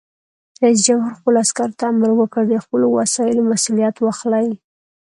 رئیس جمهور خپلو عسکرو ته امر وکړ؛ د خپلو وسایلو مسؤلیت واخلئ!